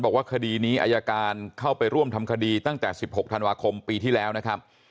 บอกว่าคดีนี้อายการเข้าไปร่วมทำคดีตั้งแต่๑๖ธันวาคมปีที่แล้วนะครับ